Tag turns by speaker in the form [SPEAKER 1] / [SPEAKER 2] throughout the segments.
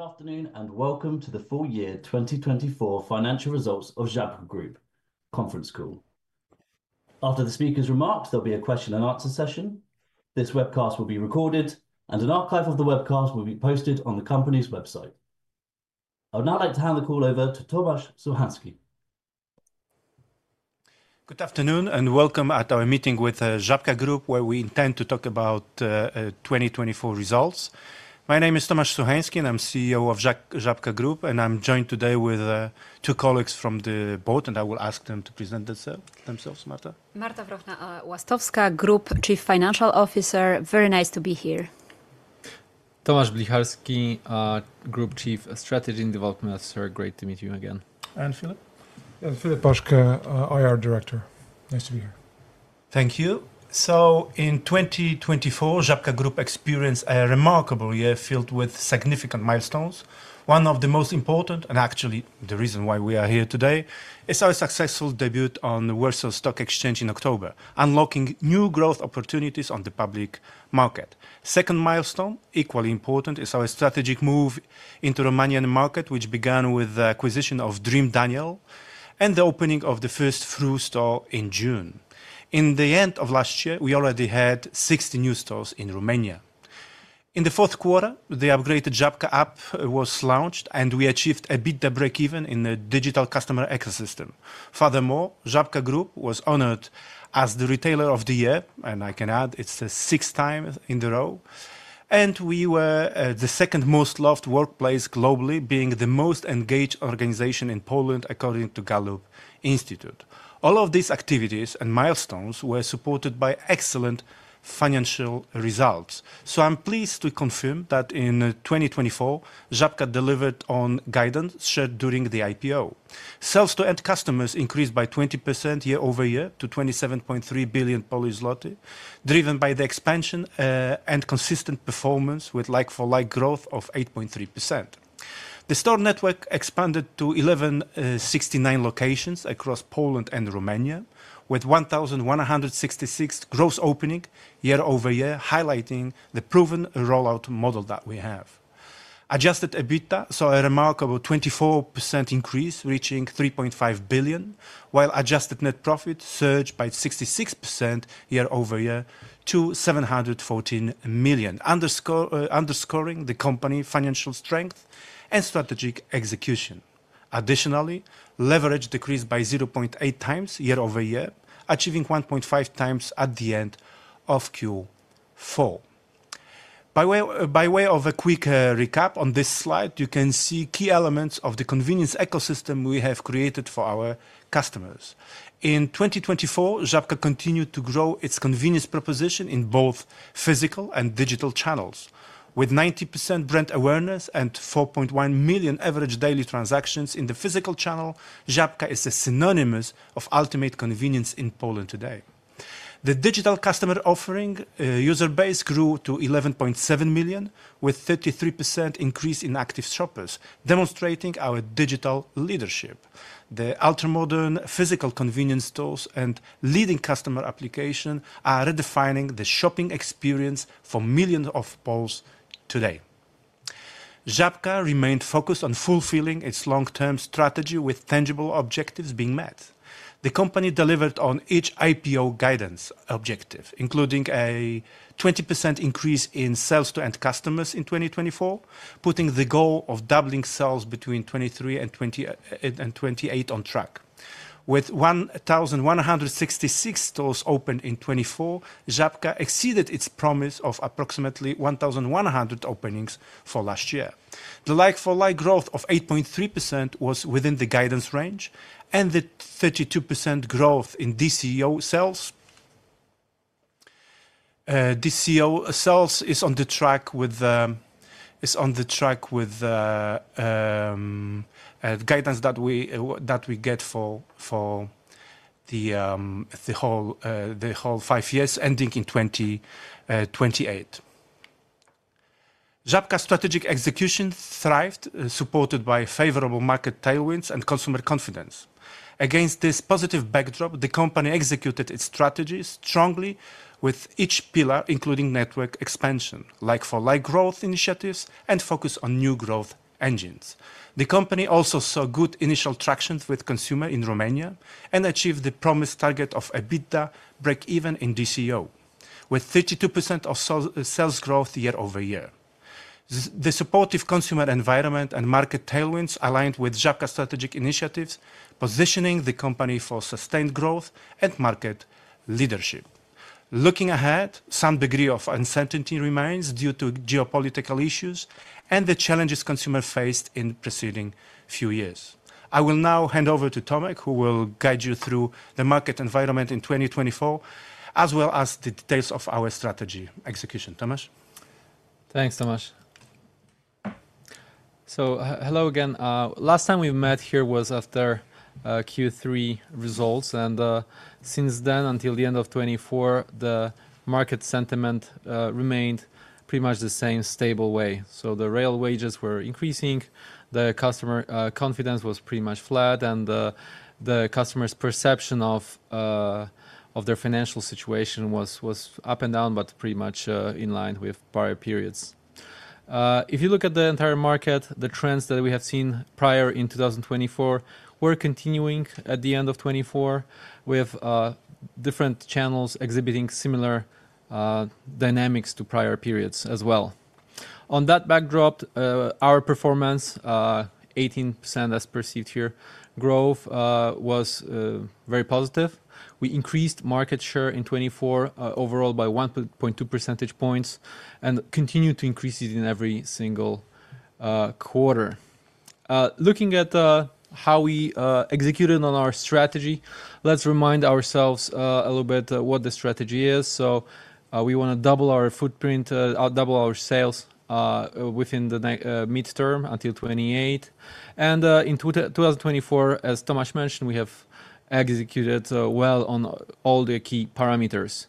[SPEAKER 1] Good afternoon and welcome to the full year 2024 financial results of Żabka Group Conference Call. After the speakers' remarks, there will be a question and answer session. This webcast will be recorded, and an archive of the webcast will be posted on the company's website. I would now like to hand the call over to Tomasz Suchański.
[SPEAKER 2] Good afternoon and welcome at our meeting with Żabka Group, where we intend to talk about 2024 results. My name is Tomasz Suchański, and I'm CEO of Żabka Group, and I'm joined today with two colleagues from the board, and I will ask them to present themselves, Marta.
[SPEAKER 3] Marta Wrochna-Łastowska, Group Chief Financial Officer. Very nice to be here.
[SPEAKER 4] Tomasz Blicharski, Group Chief Strategy and Development Officer. Great to meet you again.
[SPEAKER 2] And Filip.
[SPEAKER 5] Filip Paszke, IR Director. Nice to be here.
[SPEAKER 2] Thank you. In 2024, Żabka Group experienced a remarkable year filled with significant milestones. One of the most important, and actually the reason why we are here today, is our successful debut on the Warsaw Stock Exchange in October, unlocking new growth opportunities on the public market. The second milestone, equally important, is our strategic move into the Romanian market, which began with the acquisition of Dream Daniel and the opening of the first Froo store in June. At the end of last year, we already had 60 new stores in Romania. In the fourth quarter, the upgraded Żabka App was launched, and we achieved a big break-even in the digital customer ecosystem. Furthermore, Żabka Group was honored as the Retailer of the Year, and I can add it's the sixth time in the row, and we were the second most loved workplace globally, being the most engaged organization in Poland, according to Gallup Institute. All of these activities and milestones were supported by excellent financial results. I am pleased to confirm that in 2024, Żabka delivered on guidance shared during the IPO. Sales to end customers increased by 20% year-over-year to 27.3 billion Polish zloty, driven by the expansion and consistent performance with like-for-like growth of 8.3%. The store network expanded to 1,169 locations across Poland and Romania, with 1,166 gross openings year-over-year, highlighting the proven rollout model that we have. Adjusted EBITDA saw a remarkable 24% increase, reaching 3.5 billion, while adjusted net profit surged by 66% year-over-year to 714 million, underscoring the company's financial strength and strategic execution. Additionally, leverage decreased by 0.8 times year-over-year, achieving 1.5 times at the end of Q4. By way of a quick recap on this slide, you can see key elements of the convenience ecosystem we have created for our customers. In 2024, Żabka continued to grow its convenience proposition in both physical and digital channels. With 90% brand awareness and 4.1 million average daily transactions in the physical channel, Żabka is synonymous with ultimate convenience in Poland today. The digital customer offering user base grew to 11.7 million, with a 33% increase in active shoppers, demonstrating our digital leadership. The ultra-modern physical convenience tools and leading customer applications are redefining the shopping experience for millions of Poles today. Żabka remained focused on fulfilling its long-term strategy, with tangible objectives being met. The company delivered on each IPO guidance objective, including a 20% increase in sales to end customers in 2024, putting the goal of doubling sales between 2023 and 2028 on track. With 1,166 stores opened in 2024, Żabka exceeded its promise of approximately 1,100 openings for last year. The like-for-like growth of 8.3% was within the guidance range, and the 32% growth in DCO sales is on the track with guidance that we get for the whole five years ending in 2028. Żabka's strategic execution thrived, supported by favorable market tailwinds and consumer confidence. Against this positive backdrop, the company executed its strategy strongly with each pillar, including network expansion, like-for-like growth initiatives, and focus on new growth engines. The company also saw good initial tractions with consumers in Romania and achieved the promised target of EBITDA break-even in DCO, with 32% of sales growth year-over-year. The supportive consumer environment and market tailwinds aligned with Żabka's strategic initiatives, positioning the company for sustained growth and market leadership. Looking ahead, some degree of uncertainty remains due to geopolitical issues and the challenges consumers faced in the preceding few years. I will now hand over to Tomasz, who will guide you through the market environment in 2024, as well as the details of our strategy execution. Tomasz?
[SPEAKER 4] Thanks, Tomasz. Hello again. Last time we met here was after Q3 results, and since then, until the end of 2024, the market sentiment remained pretty much the same stable way. The real wages were increasing, the customer confidence was pretty much flat, and the customer's perception of their financial situation was up and down, but pretty much in line with prior periods. If you look at the entire market, the trends that we have seen prior in 2024 were continuing at the end of 2024, with different channels exhibiting similar dynamics to prior periods as well. On that backdrop, our performance, 18% as perceived here, growth was very positive. We increased market share in 2024 overall by 1.2 percentage points and continued to increase it in every single quarter. Looking at how we executed on our strategy, let's remind ourselves a little bit what the strategy is. We want to double our footprint, double our sales within the midterm until 2028. In 2024, as Tomasz mentioned, we have executed well on all the key parameters.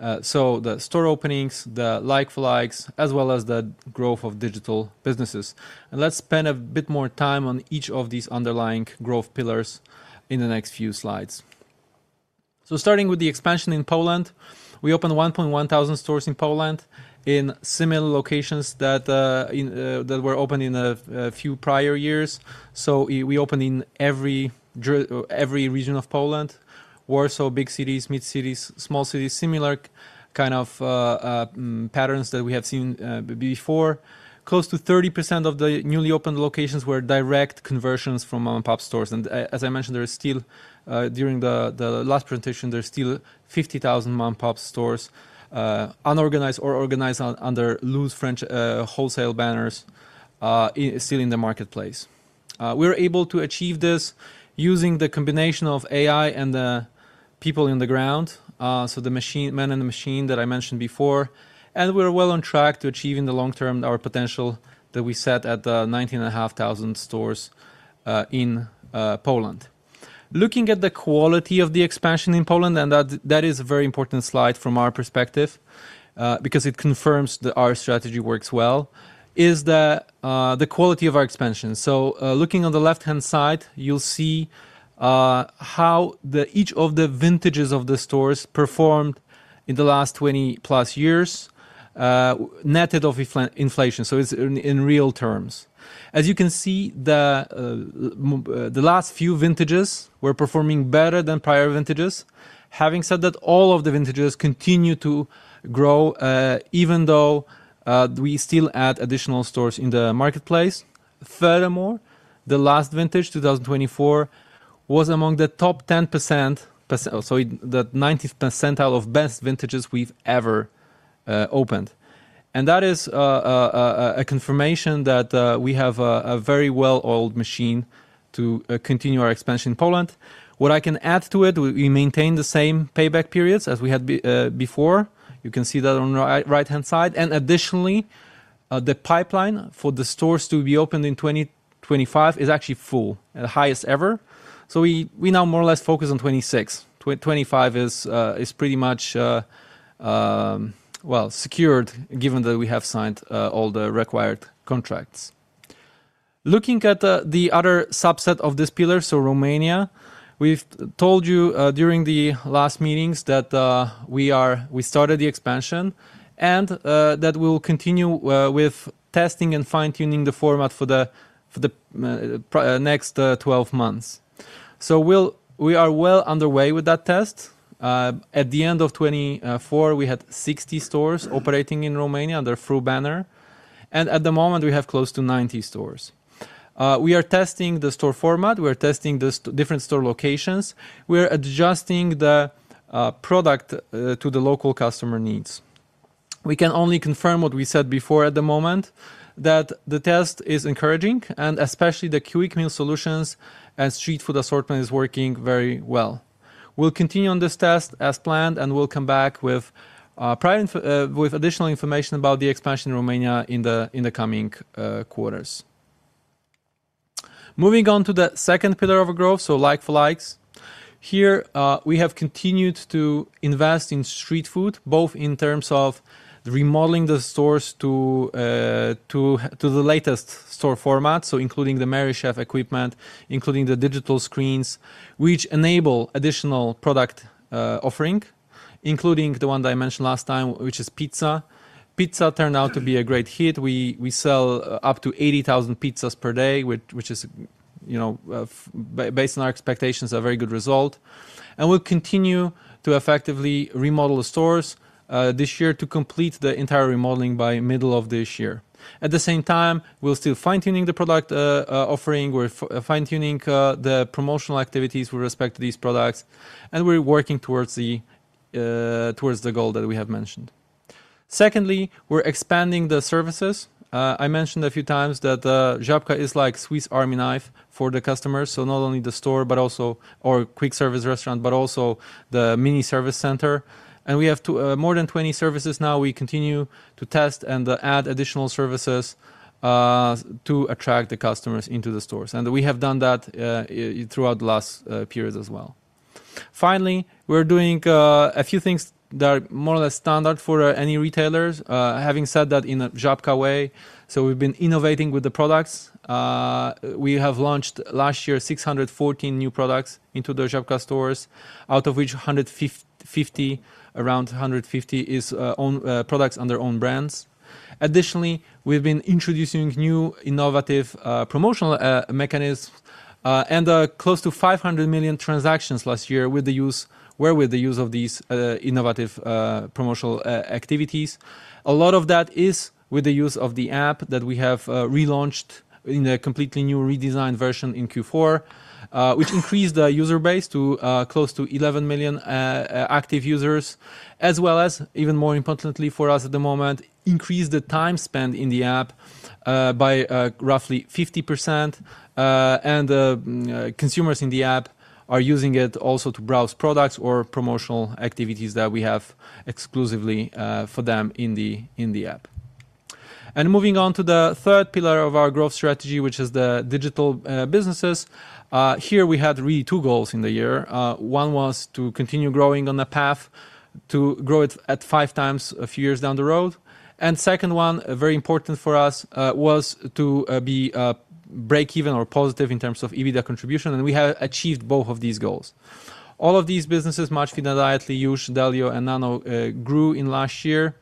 [SPEAKER 4] The store openings, the like-for-likes, as well as the growth of digital businesses. Let's spend a bit more time on each of these underlying growth pillars in the next few slides. Starting with the expansion in Poland, we opened 1,100 stores in Poland in similar locations that were open in a few prior years. We opened in every region of Poland, Warsaw, big cities, mid cities, small cities, similar kind of patterns that we have seen before. Close to 30% of the newly opened locations were direct conversions from mom-and-pop stores. As I mentioned, during the last presentation, there are still 50,000 mom-and-pop stores, unorganized or organized under loose French wholesale banners, still in the marketplace. We were able to achieve this using the combination of AI and the people on the ground, so the men and the machine that I mentioned before. We were well on track to achieve, in the long term, our potential that we set at 19,500 stores in Poland. Looking at the quality of the expansion in Poland, that is a very important slide from our perspective because it confirms that our strategy works well, is the quality of our expansion. Looking on the left-hand side, you'll see how each of the vintages of the stores performed in the last 20 plus years, netted off inflation. It is in real terms. As you can see, the last few vintages were performing better than prior vintages. Having said that, all of the vintages continue to grow, even though we still add additional stores in the marketplace. Furthermore, the last vintage, 2024, was among the top 10%, so the 90th percentile of best vintages we've ever opened. That is a confirmation that we have a very well-oiled machine to continue our expansion in Poland. What I can add to it, we maintain the same payback periods as we had before. You can see that on the right-hand side. Additionally, the pipeline for the stores to be opened in 2025 is actually full, the highest ever. We now more or less focus on 2026. 2025 is pretty much, well, secured, given that we have signed all the required contracts. Looking at the other subset of this pillar, Romania, we've told you during the last meetings that we started the expansion and that we will continue with testing and fine-tuning the format for the next 12 months. We are well underway with that test. At the end of 2024, we had 60 stores operating in Romania under a Froo banner. At the moment, we have close to 90 stores. We are testing the store format. We're testing the different store locations. We're adjusting the product to the local customer needs. We can only confirm what we said before at the moment, that the test is encouraging, and especially the QMS and street food assortment is working very well. We'll continue on this test as planned, and we'll come back with additional information about the expansion in Romania in the coming quarters. Moving on to the second pillar of growth, like-for-likes. Here, we have continued to invest in street food, both in terms of remodeling the stores to the latest store format, including the Merrychef equipment, including the digital screens, which enable additional product offering, including the one I mentioned last time, which is pizza. Pizza turned out to be a great hit. We sell up to 80,000 pizzas per day, which is, based on our expectations, a very good result. We will continue to effectively remodel the stores this year to complete the entire remodeling by the middle of this year. At the same time, we are still fine-tuning the product offering. We are fine-tuning the promotional activities with respect to these products, and we are working towards the goal that we have mentioned. Secondly, we are expanding the services. I mentioned a few times that Żabka is like a Swiss army knife for the customers, so not only the store or quick service restaurant, but also the mini service center. We have more than 20 services now. We continue to test and add additional services to attract the customers into the stores. We have done that throughout the last period as well. Finally, we're doing a few things that are more or less standard for any retailers. Having said that in a Żabka way, we've been innovating with the products. We launched last year 614 new products into the Żabka stores, out of which around 150 is products under own brands. Additionally, we've been introducing new innovative promotional mechanisms and close to 500 million transactions last year were with the use of these innovative promotional activities. A lot of that is with the use of the app that we have relaunched in a completely new redesigned version in Q4, which increased the user base to close to 11 million active users, as well as, even more importantly for us at the moment, increased the time spent in the app by roughly 50%. Consumers in the app are using it also to browse products or promotional activities that we have exclusively for them in the app. Moving on to the third pillar of our growth strategy, which is the digital businesses. Here, we had really two goals in the year. One was to continue growing on a path to grow it at five times a few years down the road. The second one, very important for us, was to be break-even or positive in terms of EBITDA contribution. We have achieved both of these goals. All of these businesses, Maczfit and Dietly, Jush!, DeliO, and Nano grew in last year.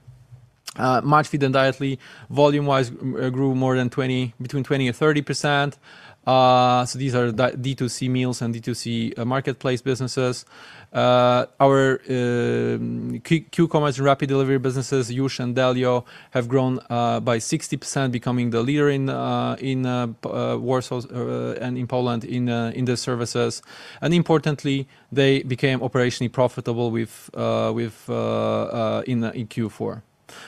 [SPEAKER 4] Maczfit and Dietly, volume-wise, grew more than between 20-30%. These are D2C meals and D2C marketplace businesses. Our QCommerce and Rapid Delivery businesses, Jush! and DeliO, have grown by 60%, becoming the leader in Warsaw and in Poland in the services. Importantly, they became operationally profitable in Q4.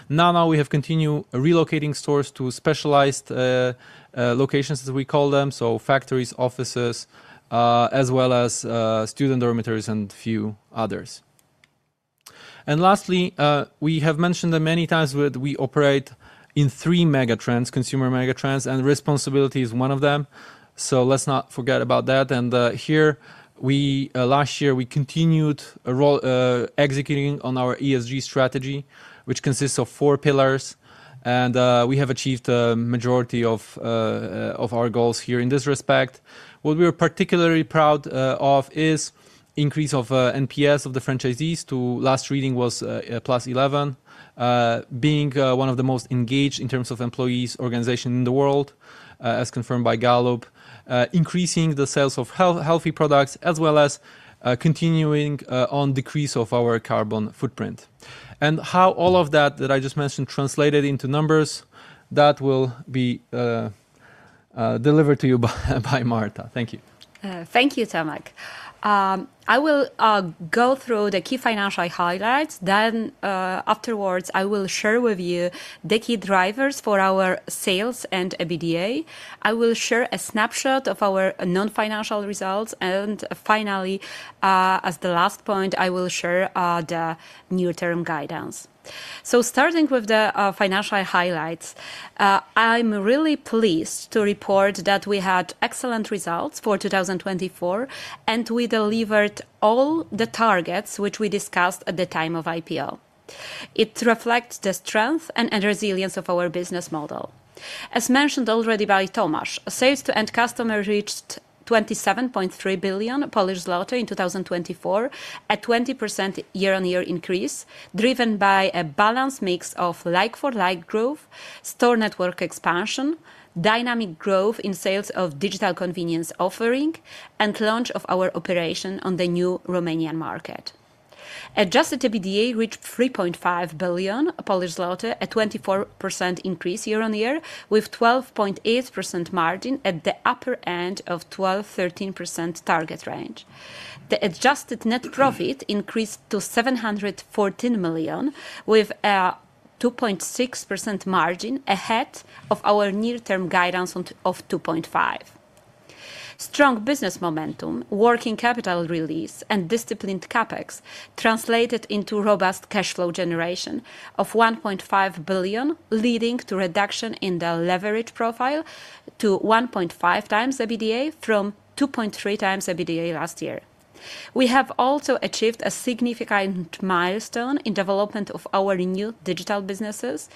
[SPEAKER 4] We have continued relocating stores to specialized locations, as we call them, so factories, offices, as well as student dormitories and a few others. Lastly, we have mentioned many times that we operate in three megatrends, consumer megatrends, and responsibility is one of them. Let's not forget about that. Here, last year, we continued executing on our ESG strategy, which consists of four pillars. We have achieved the majority of our goals here in this respect. What we are particularly proud of is the increase of NPS of the franchisees. The last reading, it was plus 11, being one of the most engaged in terms of employees' organization in the world, as confirmed by Gallup, increasing the sales of healthy products, as well as continuing on the decrease of our carbon footprint. How all of that that I just mentioned translated into numbers, that will be delivered to you by Marta. Thank you.
[SPEAKER 3] Thank you, Tomasz. I will go through the key financial highlights. Afterwards, I will share with you the key drivers for our sales and EBITDA. I will share a snapshot of our non-financial results. Finally, as the last point, I will share the near-term guidance. Starting with the financial highlights, I'm really pleased to report that we had excellent results for 2024, and we delivered all the targets which we discussed at the time of IPO. It reflects the strength and resilience of our business model. As mentioned already by Tomasz, sales to end customers reached 27.3 billion Polish zloty in 2024, a 20% year-on-year increase, driven by a balanced mix of like-for-like growth, store network expansion, dynamic growth in sales of digital convenience offering, and launch of our operation on the new Romanian market. Adjusted EBITDA reached 3.5 billion Polish zloty, a 24% increase year-on-year, with a 12.8% margin at the upper end of the 12-13% target range. The adjusted net profit increased to 714 million, with a 2.6% margin ahead of our near-term guidance of 2.5%. Strong business momentum, working capital release, and disciplined CapEx translated into robust cash flow generation of 1.5 billion, leading to a reduction in the leverage profile to 1.5 times EBITDA from 2.3 times EBITDA last year. We have also achieved a significant milestone in the development of our new digital businesses.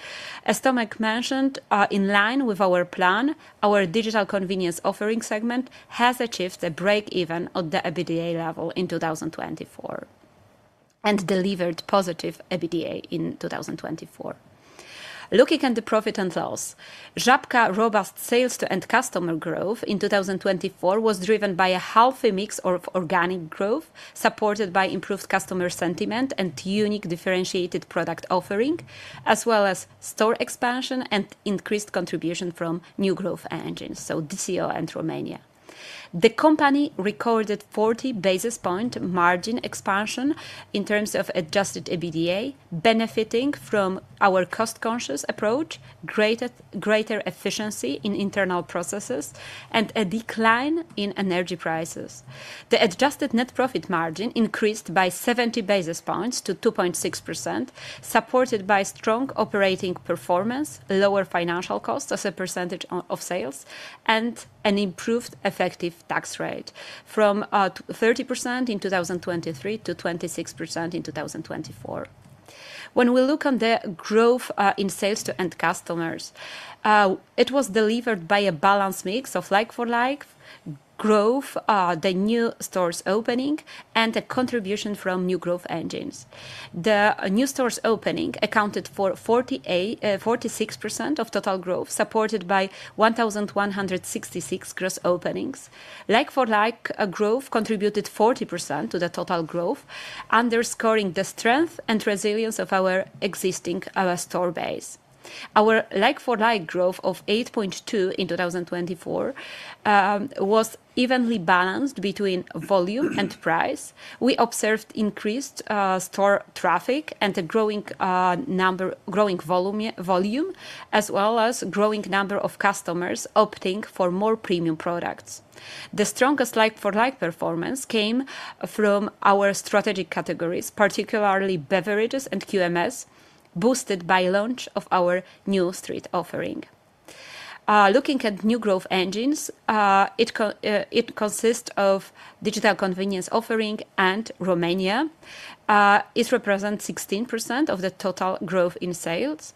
[SPEAKER 3] As Tomasz mentioned, in line with our plan, our digital convenience offering segment has achieved a break-even at the EBITDA level in 2024 and delivered positive EBITDA in 2024. Looking at the profit and loss, Żabka's robust sales to end customer growth in 2024 was driven by a healthy mix of organic growth supported by improved customer sentiment and unique differentiated product offering, as well as store expansion and increased contribution from new growth engines, so DCO and Romania. The company recorded 40 basis point margin expansion in terms of adjusted EBITDA, benefiting from our cost-conscious approach, greater efficiency in internal processes, and a decline in energy prices. The adjusted net profit margin increased by 70 basis points to 2.6%, supported by strong operating performance, lower financial costs as a percentage of sales, and an improved effective tax rate from 30% in 2023 to 26% in 2024. When we look at the growth in sales to end customers, it was delivered by a balanced mix of like-for-like growth, the new stores opening, and a contribution from new growth engines. The new stores opening accounted for 46% of total growth, supported by 1,166 gross openings. Like-for-like growth contributed 40% to the total growth, underscoring the strength and resilience of our existing store base. Our like-for-like growth of 8.2% in 2024 was evenly balanced between volume and price. We observed increased store traffic and a growing volume, as well as a growing number of customers opting for more premium products. The strongest like-for-like performance came from our strategic categories, particularly beverages and QMS, boosted by the launch of our new street offering. Looking at new growth engines, it consists of digital convenience offering and Romania. It represents 16% of the total growth in sales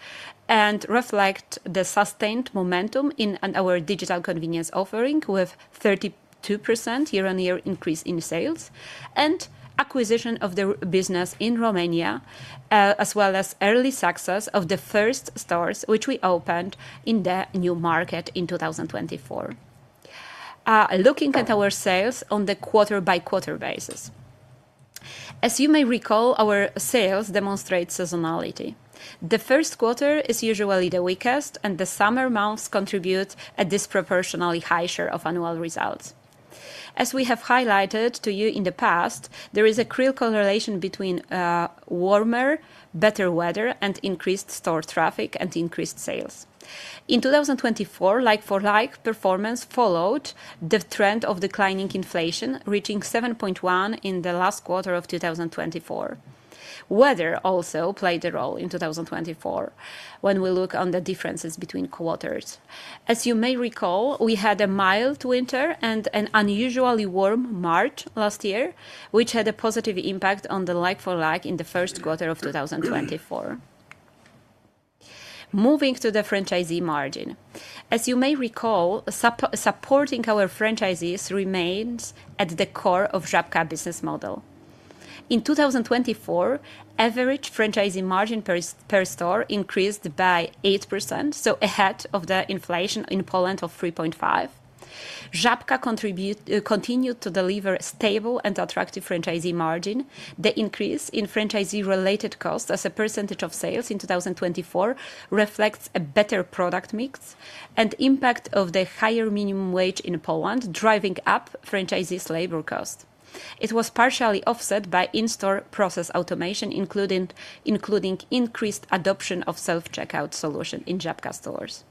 [SPEAKER 3] and reflects the sustained momentum in our digital convenience offering, with a 32% year-on-year increase in sales and acquisition of the business in Romania, as well as early success of the first stores which we opened in the new market in 2024. Looking at our sales on the quarter-by-quarter basis, as you may recall, our sales demonstrate seasonality. The first quarter is usually the weakest, and the summer months contribute a disproportionately high share of annual results. As we have highlighted to you in the past, there is a clear correlation between warmer, better weather, and increased store traffic and increased sales. In 2024, like-for-like performance followed the trend of declining inflation, reaching 7.1% in the last quarter of 2024. Weather also played a role in 2024 when we look at the differences between quarters. As you may recall, we had a mild winter and an unusually warm March last year, which had a positive impact on the like-for-like in the first quarter of 2024. Moving to the franchisee margin. As you may recall, supporting our franchisees remains at the core of Żabka's business model. In 2024, average franchisee margin per store increased by 8%, so ahead of the inflation in Poland of 3.5%. Żabka continued to deliver a stable and attractive franchisee margin. The increase in franchisee-related costs as a percentage of sales in 2024 reflects a better product mix and impact of the higher minimum wage in Poland, driving up franchisees' labor costs. It was partially offset by in-store process automation, including increased adoption of self-checkout solutions in Żabka stores.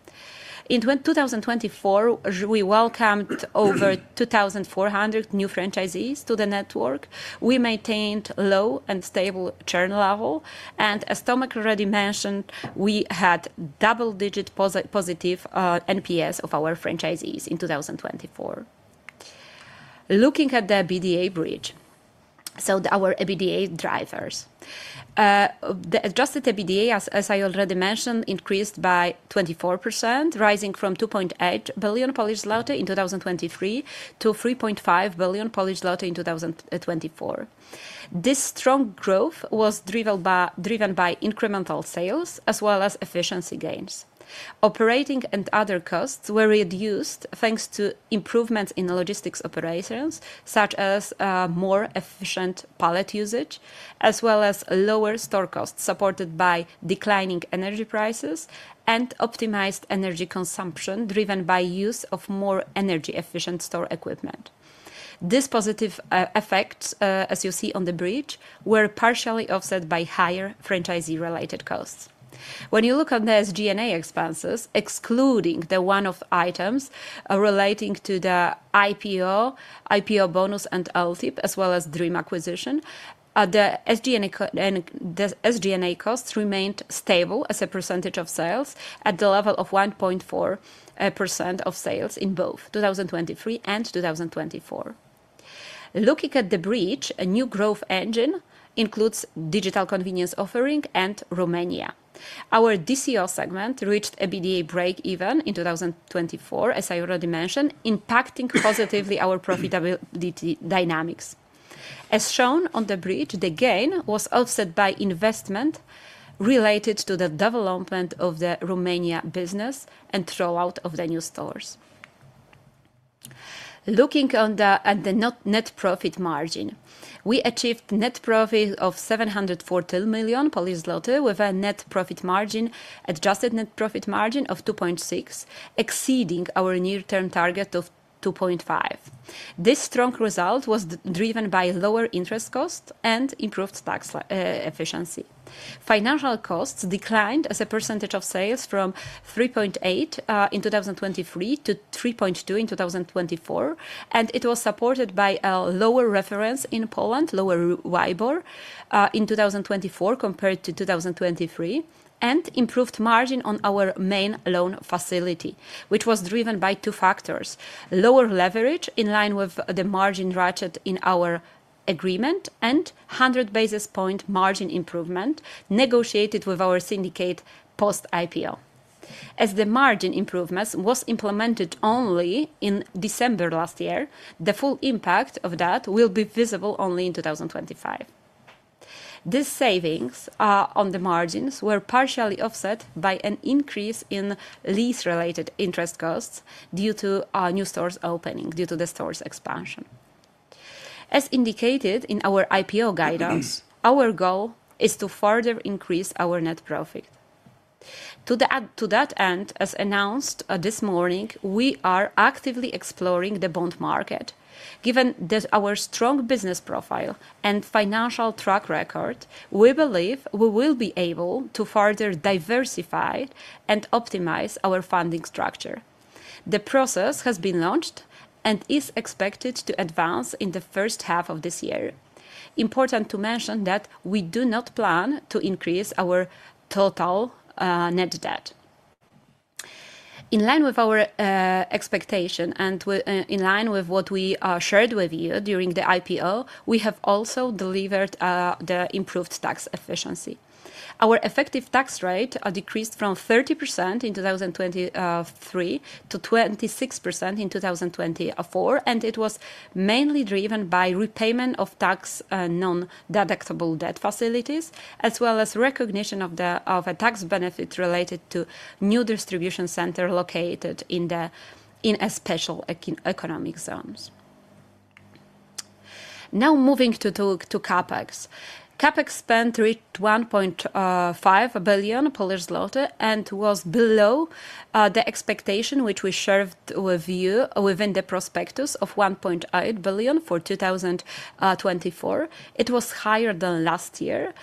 [SPEAKER 3] In 2024, we welcomed over 2,400 new franchisees to the network. We maintained a low and stable churn level. As Tomasz already mentioned, we had double-digit positive NPS of our franchisees in 2024. Looking at the EBITDA bridge, so our EBITDA drivers, the adjusted EBITDA, as I already mentioned, increased by 24%, rising from 2.8 billion Polish zloty in 2023 to 3.5 billion Polish zloty in 2024. This strong growth was driven by incremental sales as well as efficiency gains. Operating and other costs were reduced thanks to improvements in logistics operations, such as more efficient pallet usage, as well as lower store costs supported by declining energy prices and optimized energy consumption driven by the use of more energy-efficient store equipment. These positive effects, as you see on the bridge, were partially offset by higher franchisee-related costs. When you look at the SG&A expenses, excluding the one-off items relating to the IPO, IPO bonus, and LTIP, as well as Dream Acquisition, the SG&A costs remained stable as a percentage of sales at the level of 1.4% of sales in both 2023 and 2024. Looking at the bridge, a new growth engine includes digital convenience offering and Romania. Our DCO segment reached EBITDA break-even in 2024, as I already mentioned, impacting positively our profitability dynamics. As shown on the bridge, the gain was offset by investment related to the development of the Romania business and throughout the new stores. Looking at the net profit margin, we achieved a net profit of 714 million Polish zloty, with a net profit margin, adjusted net profit margin of 2.6%, exceeding our near-term target of 2.5%. This strong result was driven by lower interest costs and improved tax efficiency. Financial costs declined as a percentage of sales from 3.8% in 2023 to 3.2% in 2024. It was supported by a lower reference in Poland, lower WIBOR in 2024 compared to 2023, and improved margin on our main loan facility, which was driven by two factors: lower leverage in line with the margin ratchet in our agreement and 100 basis point margin improvement negotiated with our syndicate post-IPO. As the margin improvement was implemented only in December last year, the full impact of that will be visible only in 2025. These savings on the margins were partially offset by an increase in lease-related interest costs due to new stores opening, due to the stores' expansion. As indicated in our IPO guidance, our goal is to further increase our net profit. To that end, as announced this morning, we are actively exploring the bond market. Given our strong business profile and financial track record, we believe we will be able to further diversify and optimize our funding structure. The process has been launched and is expected to advance in the first half of this year. Important to mention that we do not plan to increase our total net debt. In line with our expectation and in line with what we shared with you during the IPO, we have also delivered the improved tax efficiency. Our effective tax rate decreased from 30% in 2023 to 26% in 2024, and it was mainly driven by repayment of tax-non-deductible debt facilities, as well as recognition of a tax benefit related to new distribution centers located in special economic zones. Now, moving to CapEx, CapEx spend reached 1.5 billion Polish zloty and was below the expectation which we shared with you within the prospectus of 1.8 billion for 2024. It was higher than last year.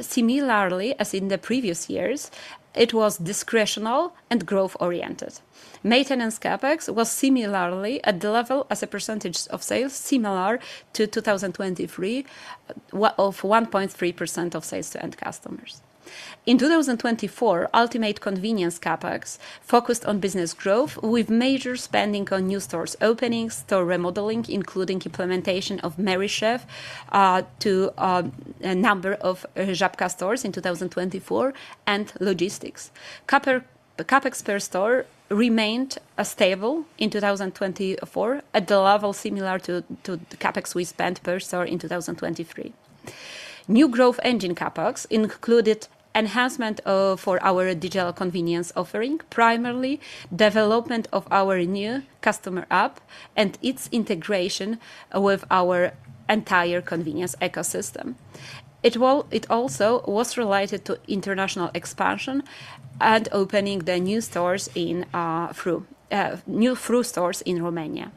[SPEAKER 3] Similarly, as in the previous years, it was discretional and growth-oriented. Maintenance CapEx was at a level as a percentage of sales similar to 2023, at 1.3% of sales to end customers. In 2024, ultimate convenience CapEx focused on business growth with major spending on new stores opening, store remodeling, including implementation of Merrychef to a number of Żabka stores in 2024, and logistics. CapEx per store remained stable in 2024 at a level similar to CapEx we spent per store in 2023. New growth engine CapEx included enhancement for our digital convenience offering, primarily development of our new customer app and its integration with our entire convenience ecosystem. It also was related to international expansion and opening new stores through new stores in Romania.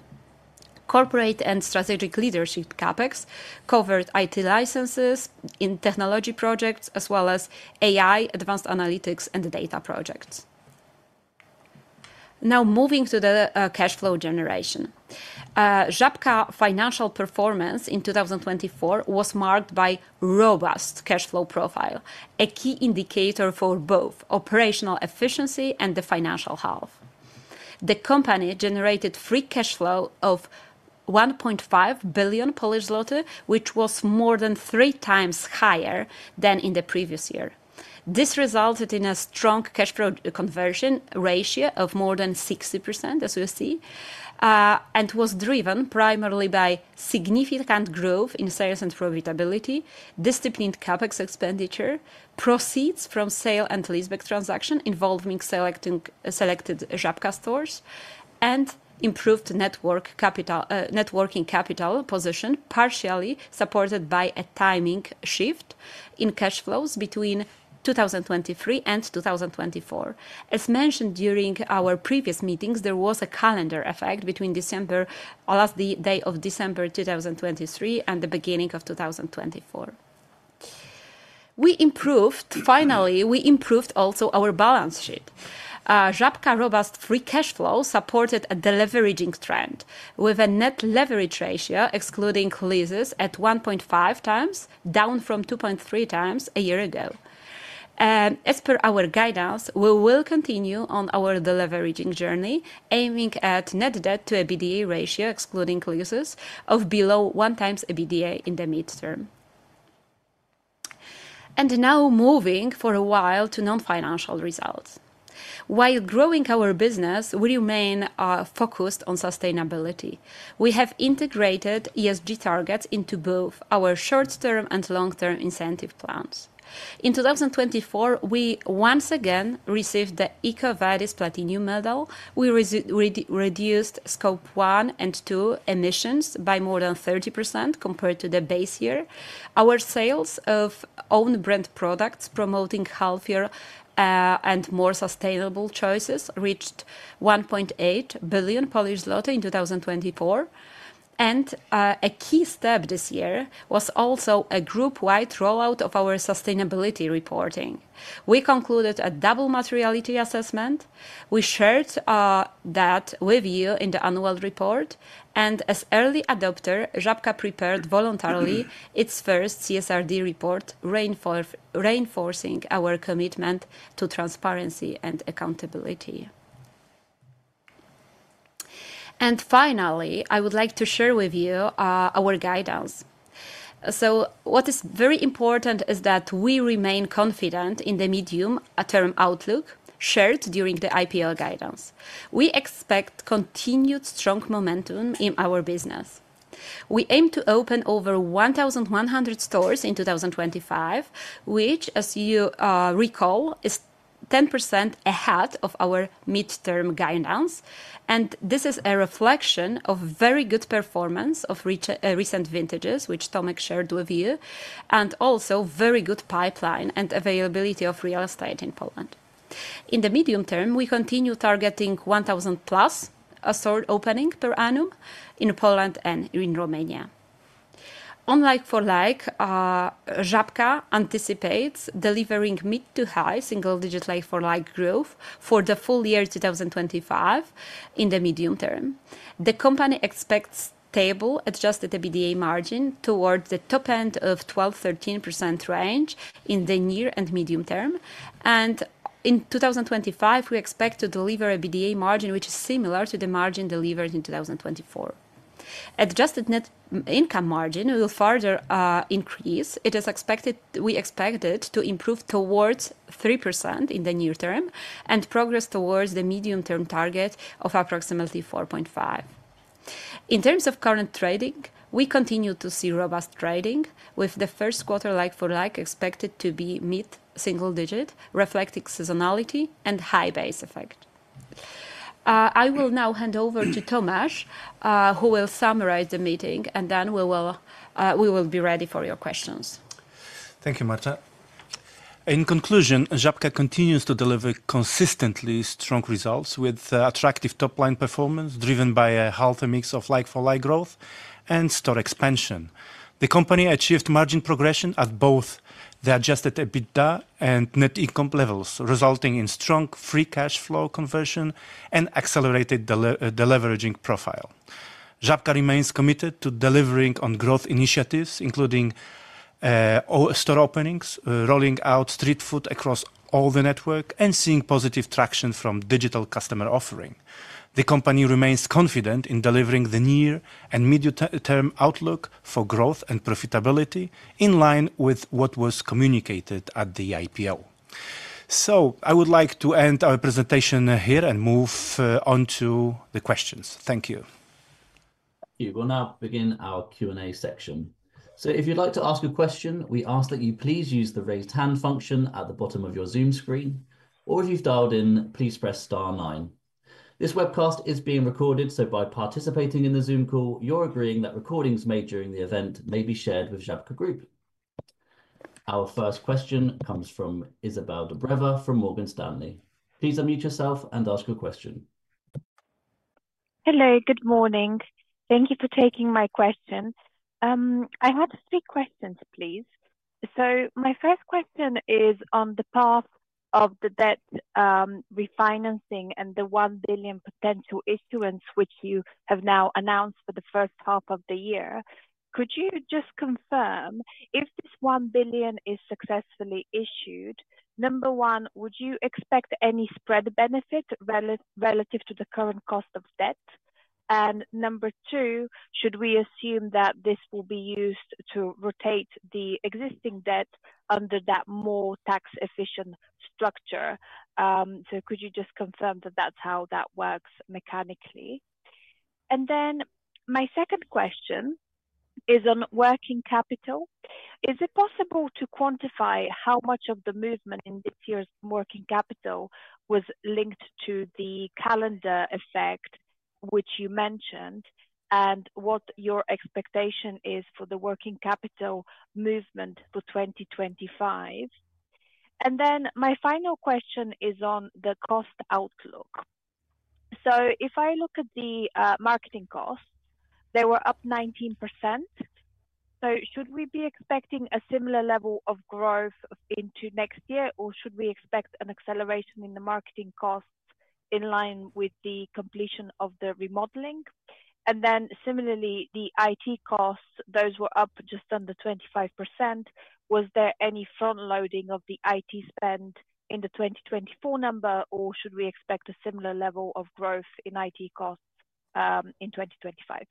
[SPEAKER 3] Corporate and strategic leadership CapEx covered IT licenses in technology projects, as well as AI, advanced analytics, and data projects. Now, moving to the cash flow generation. Żabka financial performance in 2024 was marked by a robust cash flow profile, a key indicator for both operational efficiency and the financial health. The company generated free cash flow of 1.5 billion Polish zloty, which was more than three times higher than in the previous year. This resulted in a strong cash flow conversion ratio of more than 60%, as you see, and was driven primarily by significant growth in sales and profitability, disciplined CapEx expenditure, proceeds from sale and lease-back transactions involving selected Żabka stores, and improved net working capital position, partially supported by a timing shift in cash flows between 2023 and 2024. As mentioned during our previous meetings, there was a calendar effect between the day of December 2023 and the beginning of 2024. Finally, we improved also our balance sheet. Żabka's robust free cash flow supported a deleveraging trend with a net leverage ratio excluding leases at 1.5 times, down from 2.3 times a year ago. As per our guidance, we will continue on our deleveraging journey, aiming at net debt to EBITDA ratio excluding leases of below 1 times EBITDA in the midterm. Now, moving for a while to non-financial results. While growing our business, we remain focused on sustainability. We have integrated ESG targets into both our short-term and long-term incentive plans. In 2024, we once again received the EcoVadis Platinum Medal. We reduced Scope 1 and 2 emissions by more than 30% compared to the base year. Our sales of own-brand products promoting healthier and more sustainable choices reached 1.8 billion Polish zloty in 2024. A key step this year was also a group-wide rollout of our sustainability reporting. We concluded a double materiality assessment. We shared that with you in the annual report. As early adopter, Żabka prepared voluntarily its first CSRD report, reinforcing our commitment to transparency and accountability. Finally, I would like to share with you our guidance. What is very important is that we remain confident in the medium-term outlook shared during the IPO guidance. We expect continued strong momentum in our business. We aim to open over 1,100 stores in 2025, which, as you recall, is 10% ahead of our midterm guidance. This is a reflection of very good performance of recent vintages, which Tomasz shared with you, and also very good pipeline and availability of real estate in Poland. In the medium term, we continue targeting 1,000-plus store openings per annum in Poland and in Romania. Like-for-like, Żabka anticipates delivering mid to high single-digit like-for-like growth for the full year 2025 in the medium term. The company expects stable adjusted EBITDA margin towards the top end of the 12-13% range in the near and medium term. In 2025, we expect to deliver EBITDA margin which is similar to the margin delivered in 2024. Adjusted net income margin will further increase. It is expected we expect to improve towards 3% in the near term and progress towards the medium-term target of approximately 4.5%. In terms of current trading, we continue to see robust trading, with the first quarter like-for-like expected to be mid single-digit, reflecting seasonality and high base effect. I will now hand over to Tomasz, who will summarize the meeting, and then we will be ready for your questions.
[SPEAKER 2] Thank you, Marta. In conclusion, Żabka continues to deliver consistently strong results with attractive top-line performance driven by a healthy mix of like-for-like growth and store expansion. The company achieved margin progression at both the adjusted EBITDA and net income levels, resulting in strong free cash flow conversion and accelerated the leveraging profile. Żabka remains committed to delivering on growth initiatives, including store openings, rolling out street food across all the network, and seeing positive traction from digital customer offering. The company remains confident in delivering the near and medium-term outlook for growth and profitability in line with what was communicated at the IPO. I would like to end our presentation here and move on to the questions. Thank you.
[SPEAKER 1] Thank you. We'll now begin our Q&A section. If you'd like to ask a question, we ask that you please use the raised hand function at the bottom of your Zoom screen, or if you've dialed in, please press star nine. This webcast is being recorded, so by participating in the Zoom call, you're agreeing that recordings made during the event may be shared with Żabka Group. Our first question comes from Izabel Dobreva from Morgan Stanley. Please unmute yourself and ask your question. Hello, good morning. Thank you for taking my question. I have three questions, please.
[SPEAKER 6] My first question is on the path of the debt refinancing and the 1 billion potential issuance, which you have now announced for the first half of the year. Could you just confirm if this 1 billion is successfully issued? Number one, would you expect any spread benefit relative to the current cost of debt? Number two, should we assume that this will be used to rotate the existing debt under that more tax-efficient structure? Could you just confirm that that's how that works mechanically? My second question is on working capital. Is it possibble to quantify how much of the movement in this year's working capital was linked to the calendar effect, which you mentioned, and what your expectation is for the working capital movement for 2025? My final question is on the cost outlook. If I look at the marketing costs, they were up 19%. Should we be expecting a similar level of growth into next year, or should we expect an acceleration in the marketing costs in line with the completion of the remodeling? Similarly, the IT costs, those were up just under 25%. Was there any front-loading of the IT spend in the 2024 number, or should we expect a similar level of growth in IT costs in 2025?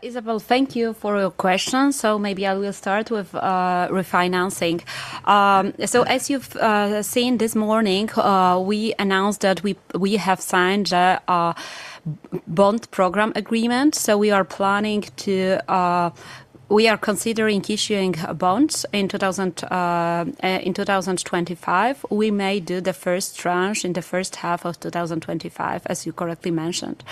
[SPEAKER 3] Izabel, thank you for your question. Maybe I will start with refinancing. As you have seen this morning, we announced that we have signed a bond program agreement. We are planning to, we are considering issuing bonds in 2025. We may do the first tranche in the first half of 2025, as you correctly mentioned.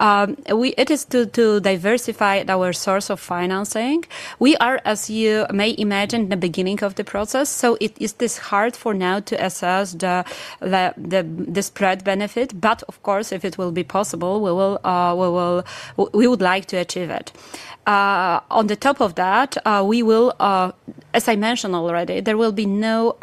[SPEAKER 3] It is to diversify our source of financing. We are, as you may imagine, in the beginning of the process. It is hard for now to assess the spread benefit, but of course, if it will be possible, we would like to achieve it. On top of that, as I mentioned already, there will be no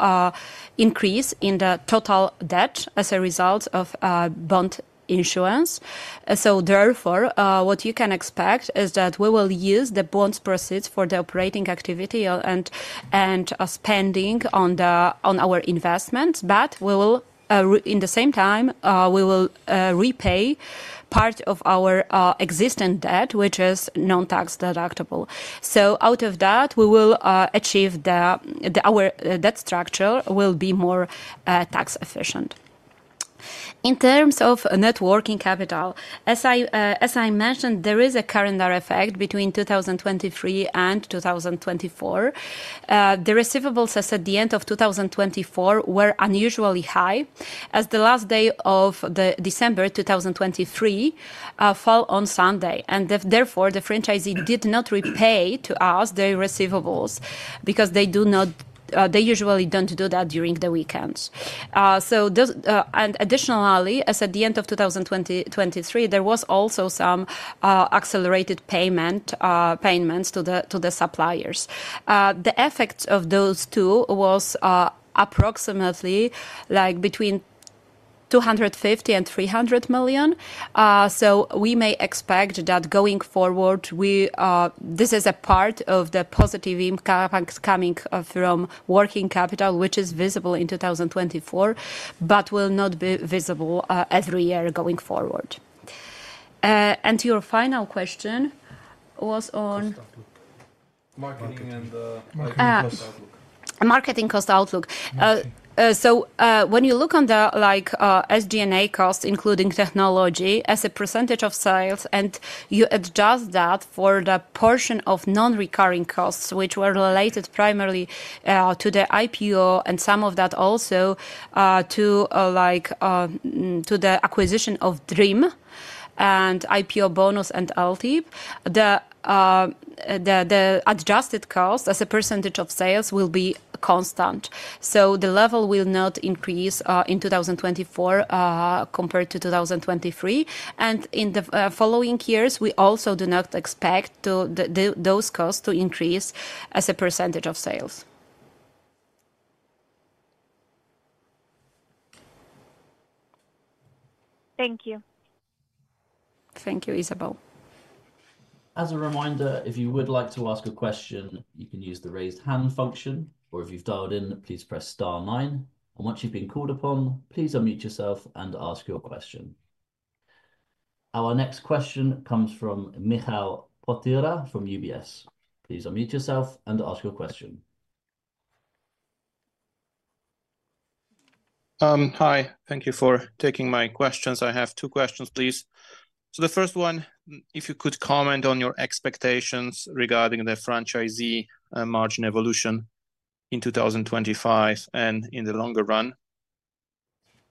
[SPEAKER 3] increase in the total debt as a result of bond issuance. Therefore, what you can expect is that we will use the bonds proceeds for the operating activity and spending on our investments, but at the same time, we will repay part of our existing debt, which is non-tax deductible. Out of that, we will achieve that our debt structure will be more tax-efficient. In terms of networking capital, as I mentioned, there is a calendar effect between 2023 and 2024. The receivables at the end of 2024 were unusually high, as the last day of December 2023 fell on Sunday. Therefore, the franchisee did not repay to us their receivables because they usually do not do that during the weekends. Additionally, as at the end of 2023, there were also some accelerated payments to the suppliers. The effect of those two was approximately between 250 million and 300 million. We may expect that going forward, this is a part of the positive impact coming from working capital, which is visible in 2024, but will not be visible every year going forward. Your final question was on marketing and IPO cost outlook. Marketing cost outlook. When you look on the SG&A cost, including technology, as a percentage of sales, and you adjust that for the portion of non-recurring costs, which were related primarily to the IPO and some of that also to the acquisition of Dream Daniel and IPO bonus and LTIP, the adjusted cost as a percentage of sales will be constant. The level will not increase in 2024 compared to 2023. In the following years, we also do not expect those costs to increase as a percentage of sales. Thank you. Thank you, Izabel. As a reminder, if you would like to ask a question, you can use the raised hand function, or if you've dialed in, please press star nine. Once you've been called upon, please unmute yourself and ask your question. Our next question comes from Michal Potyra from UBS. Please unmute yourself and ask your question.
[SPEAKER 7] Hi. Thank you for taking my questions. I have two questions, please. The first one, if you could comment on your expectations regarding the franchisee margin evolution in 2025 and in the longer run.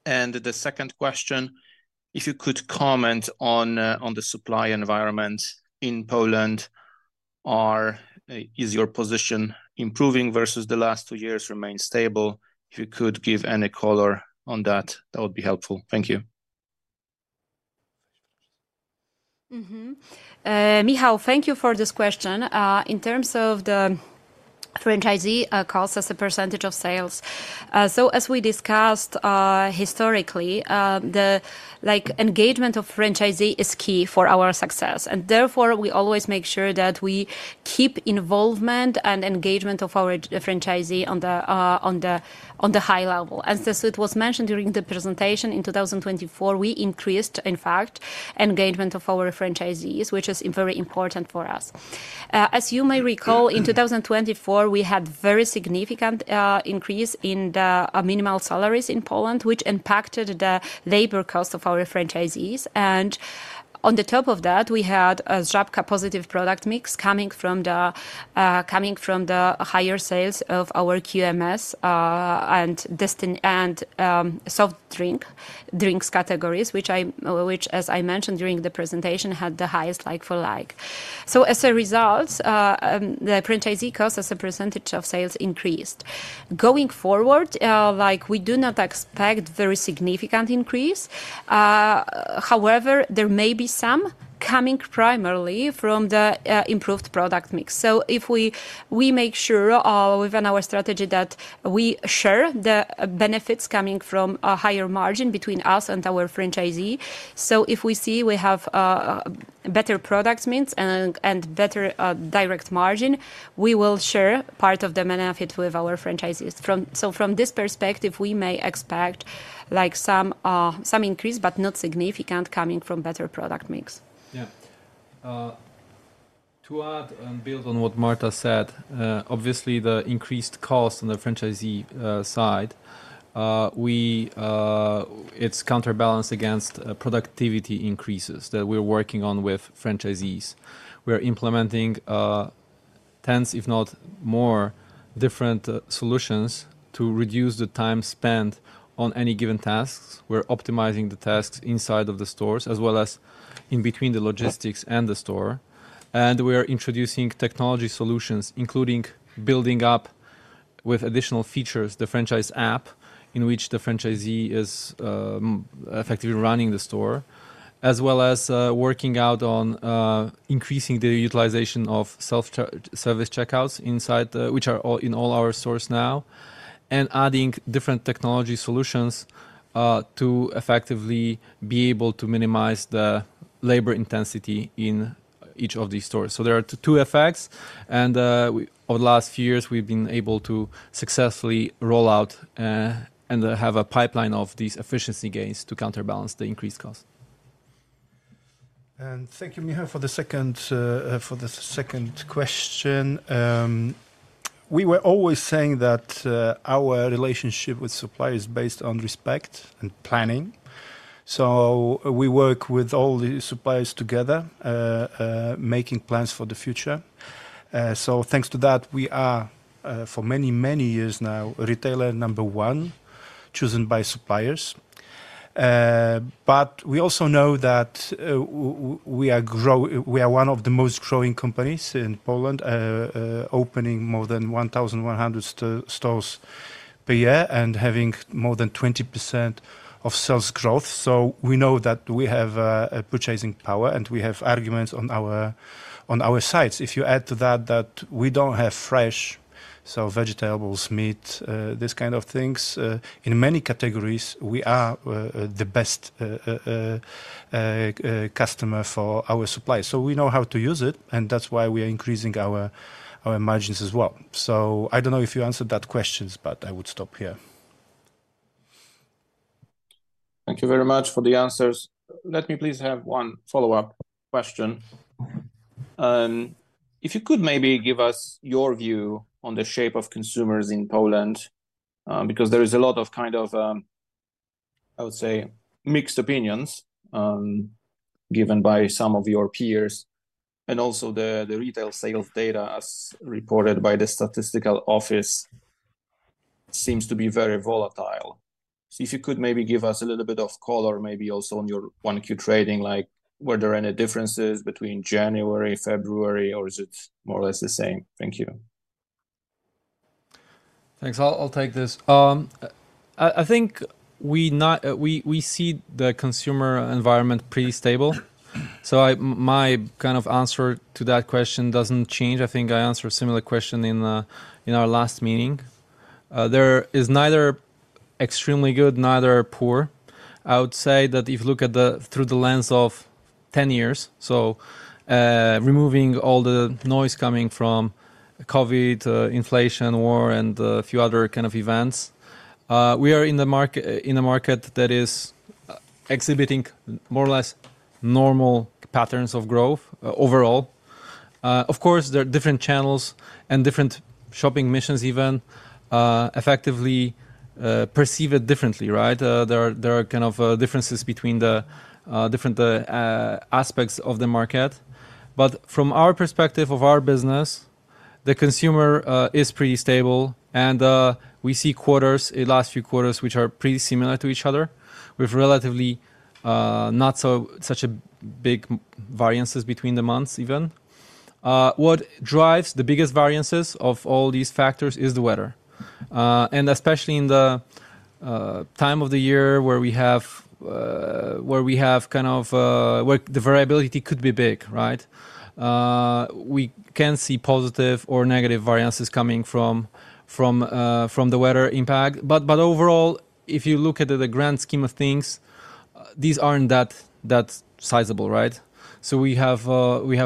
[SPEAKER 7] The second question, if you could comment on the supply environment in Poland, is your position improving versus the last two years or remained stable? If you could give any color on that, that would be helpful. Thank you.
[SPEAKER 1] Michal, thank you for this question. In terms of the franchisee cost as a percentage of sales, as we discussed historically, the engagement of franchisee is key for our success. Therefore, we always make sure that we keep involvement and engagement of our franchisee on the high level. As it was mentioned during the presentation in 2024, we increased, in fact, engagement of our franchisees, which is very important for us. As you may recall, in 2024, we had a very significant increase in the minimal salaries in Poland, which impacted the labor cost of our franchisees. On the top of that, we had a Żabka positive product mix coming from the higher sales of our QMS and soft drinks categories, which, as I mentioned during the presentation, had the highest like-for-like. As a result, the franchisee cost as a percentage of sales increased. Going forward, we do not expect a very significant increase. However, there may be some coming primarily from the improved product mix. If we make sure within our strategy that we share the benefits coming from a higher margin between us and our franchisee, if we see we have better product means and better direct margin, we will share part of the benefit with our franchisees. From this perspective, we may expect some increase, but not significant, coming from better product mix.
[SPEAKER 4] Yeah. To add and build on what Marta said, obviously, the increased cost on the franchisee side is counterbalanced against productivity increases that we're working on with franchisees. We're implementing tens, if not more, different solutions to reduce the time spent on any given tasks. We're optimizing the tasks inside of the stores, as well as in between the logistics and the store. We are introducing technology solutions, including building up with additional features the franchise app, in which the franchisee is effectively running the store, as well as working out on increasing the utilization of self-service checkouts inside, which are in all our stores now, and adding different technology solutions to effectively be able to minimize the labor intensity in each of these stores. There are two effects. Over the last few years, we've been able to successfully roll out and have a pipeline of these efficiency gains to counterbalance the increased cost.
[SPEAKER 2] Thank you, Michal, for the second question. We were always saying that our relationship with suppliers is based on respect and planning. We work with all the suppliers together, making plans for the future. Thanks to that, we are, for many, many years now, retailer number one chosen by suppliers. We also know that we are one of the most growing companies in Poland, opening more than 1,100 stores per year and having more than 20% of sales growth. We know that we have purchasing power and we have arguments on our sides. If you add to that that we do not have fresh, so vegetables, meat, these kind of things, in many categories, we are the best customer for our suppliers. We know how to use it, and that is why we are increasing our margins as well. I do not know if you answered that question, but I would stop here.
[SPEAKER 7] Thank you very much for the answers. Let me please have one follow-up question. If you could maybe give us your view on the shape of consumers in Poland, because there is a lot of, I would say, mixed opinions given by some of your peers. Also, the retail sales data, as reported by the statistical office, seems to be very volatile. If you could maybe give us a little bit of color, maybe also on your one-queue trading, like were there any differences between January, February, or is it more or less the same? Thank you.
[SPEAKER 4] Thanks. I'll take this. I think we see the consumer environment pretty stable. My kind of answer to that question doesn't change. I think I answered a similar question in our last meeting. There is neither extremely good nor poor. I would say that if you look at it through the lens of 10 years, removing all the noise coming from COVID, inflation, war, and a few other kind of events, we are in a market that is exhibiting more or less normal patterns of growth overall. Of course, there are different channels and different shopping missions even effectively perceive it differently, right? There are kind of differences between the different aspects of the market. From our perspective of our business, the consumer is pretty stable. We see quarters, the last few quarters, which are pretty similar to each other with relatively not such big variances between the months even. What drives the biggest variances of all these factors is the weather. Especially in the time of the year where we have kind of where the variability could be big, right? We can see positive or negative variances coming from the weather impact. Overall, if you look at the grand scheme of things, these are not that sizable, right? We have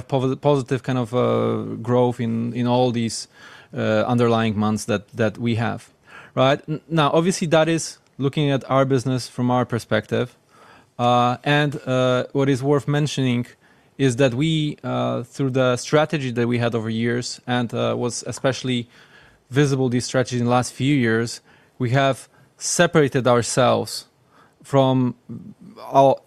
[SPEAKER 4] positive kind of growth in all these underlying months that we have, right? Now, obviously, that is looking at our business from our perspective. What is worth mentioning is that we, through the strategy that we had over years and was especially visible, this strategy in the last few years, we have separated ourselves from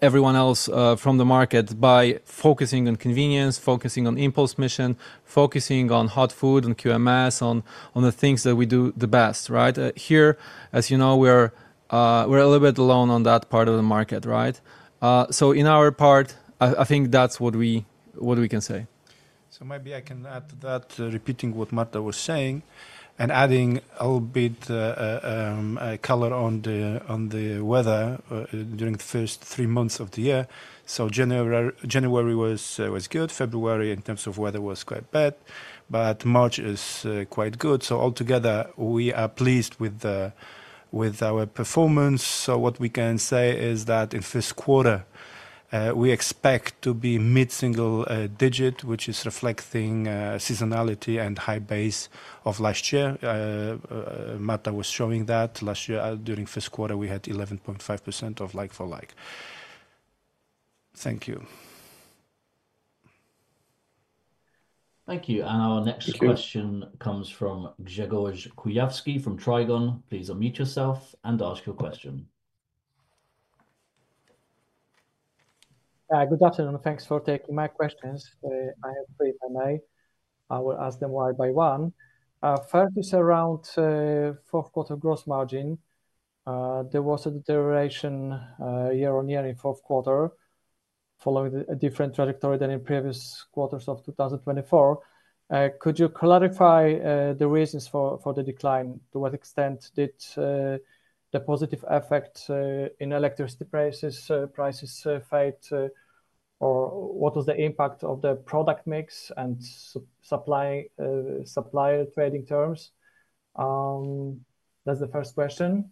[SPEAKER 4] everyone else from the market by focusing on convenience, focusing on in-post mission, focusing on hot food and QMS, on the things that we do the best, right? Here, as you know, we're a little bit alone on that part of the market, right? In our part, I think that's what we can say.
[SPEAKER 2] Maybe I can add to that, repeating what Marta was saying and adding a little bit of color on the weather during the first three months of the year. January was good. February, in terms of weather, was quite bad. March is quite good. Altogether, we are pleased with our performance. What we can say is that in fiscal quarter, we expect to be mid-single digit, which is reflecting seasonality and high base of last year. Marta was showing that last year during fiscal quarter, we had 11.5% of like-for-like. Thank you.
[SPEAKER 1] Thank you. Our next question comes from Grzegorz Kujawski from Trigon. Please unmute yourself and ask your question.
[SPEAKER 8] Good afternoon. Thanks for taking my questions. I hope I may. I will ask them one by one. First, it is around fourth quarter gross margin. There was a deterioration year on year in fourth quarter following a different trajectory than in previous quarters of 2024. Could you clarify the reasons for the decline? To what extent did the positive effect in electricity prices fade, or what was the impact of the product mix and supplier trading terms? That is the first question.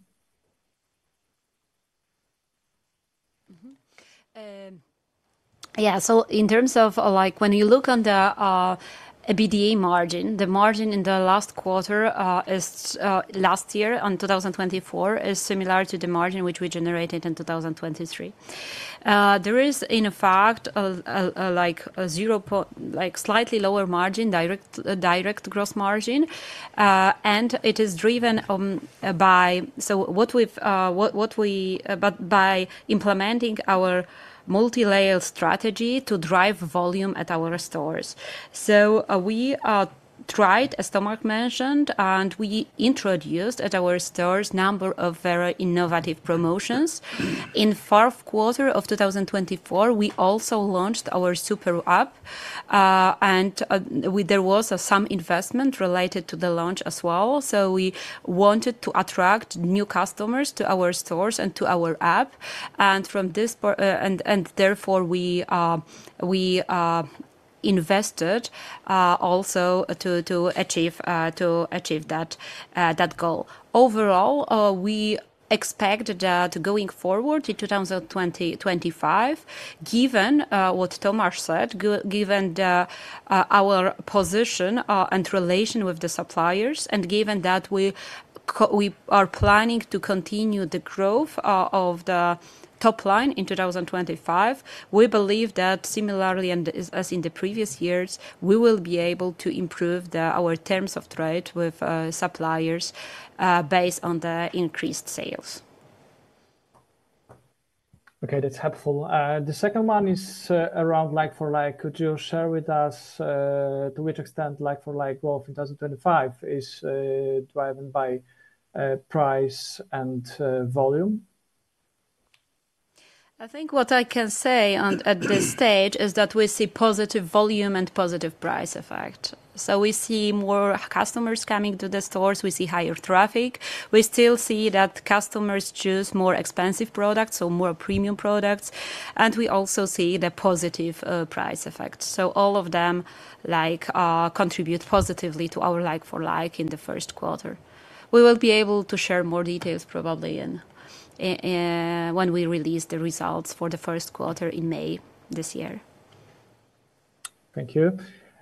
[SPEAKER 3] Yeah. In terms of when you look on the EBITDA margin, the margin in the last quarter last year in 2024 is similar to the margin which we generated in 2023. There is, in fact, a slightly lower margin, direct gross margin. It is driven by what we by implementing our multi-layer strategy to drive volume at our stores. We tried, as Tomasz mentioned, and we introduced at our stores a number of very innovative promotions. In fourth quarter of 2024, we also launched our SuperUp. There was some investment related to the launch as well. We wanted to attract new customers to our stores and to our app. Therefore, we invested also to achieve that goal. Overall, we expect that going forward in 2025, given what Tomasz said, given our position and relation with the suppliers, and given that we are planning to continue the growth of the top line in 2025, we believe that similarly, as in the previous years, we will be able to improve our terms of trade with suppliers based on the increased sales.
[SPEAKER 8] Okay. That's helpful. The second one is around like-for-like. Could you share with us to which extent like-for-like growth in 2025 is driven by price and volume?
[SPEAKER 3] I think what I can say at this stage is that we see positive volume and positive price effect. We see more customers coming to the stores. We see higher traffic. We still see that customers choose more expensive products, so more premium products. We also see the positive price effect. All of them contribute positively to our like-for-like in the first quarter. We will be able to share more details probably when we release the results for the first quarter in May this year.
[SPEAKER 8] Thank you.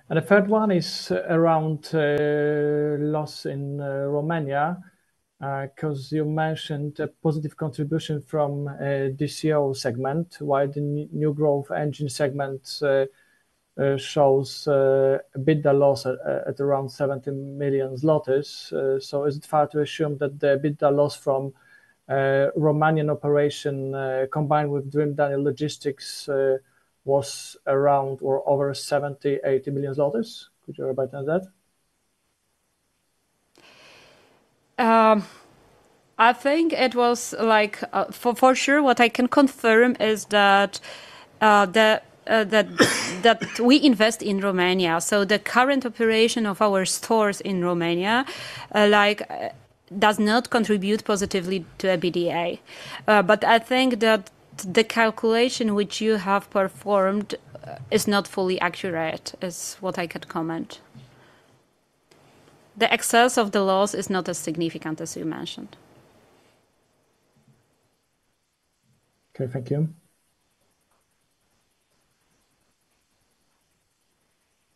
[SPEAKER 8] The third one is around loss in Romania because you mentioned a positive contribution from the DCO segment, while the new growth engine segment shows EBITDA loss at around 70 million zlotys. Is it fair to assume that the EBITDA loss from Romanian operation combined with Dream Daniel Logistics was around or over PLN 70-80 million? Could you abide to that?
[SPEAKER 3] I think it was for sure. What I can confirm is that we invest in Romania. The current operation of our stores in Romania does not contribute positively to EBITDA. I think that the calculation which you have performed is not fully accurate is what I could comment. The excess of the loss is not as significant as you mentioned.
[SPEAKER 8] Okay. Thank you.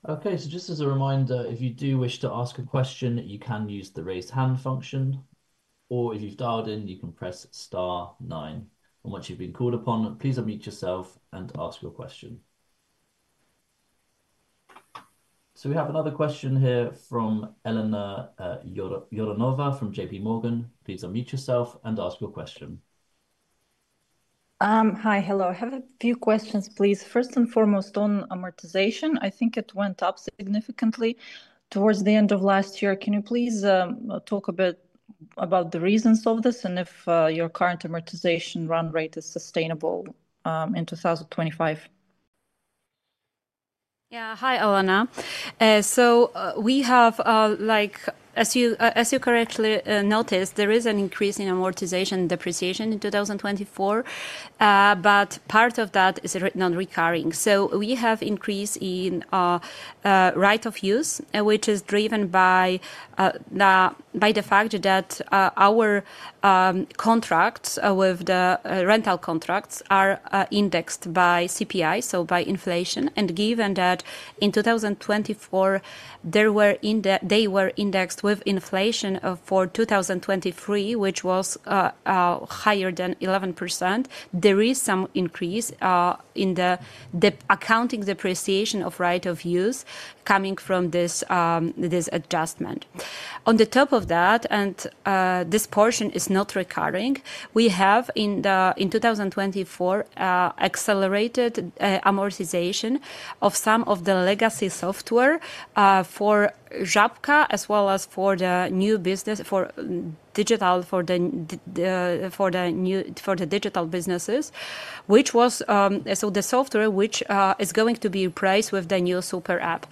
[SPEAKER 1] Okay. Just as a reminder, if you do wish to ask a question, you can use the raised hand function. If you've dialed in, you can press star nine. Once you've been called upon, please unmute yourself and ask your question. We have another question here from Elena Yoranov from JP Morgan. Please unmute yourself and ask your question.
[SPEAKER 9] Hi. Hello. I have a few questions, please. First and foremost, on amortization, I think it went up significantly towards the end of last year. Can you please talk a bit about the reasons of this and if your current amortization run rate is sustainable in 2025?
[SPEAKER 3] Yeah. Hi, Elena. We have, as you correctly noticed, there is an increase in amortization depreciation in 2024. Part of that is non-recurring. We have increase in right of use, which is driven by the fact that our contracts with the rental contracts are indexed by CPI, so by inflation. Given that in 2024, they were indexed with inflation for 2023, which was higher than 11%, there is some increase in the accounting depreciation of right of use coming from this adjustment. On top of that, and this portion is not recurring, we have in 2024 accelerated amortization of some of the legacy software for Żabka as well as for the new business for digital, for the digital businesses, which was the software which is going to be priced with the new SuperUp.